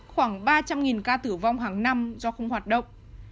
khoảng ba trăm linh ca tử vong hàng năm do không hoạt động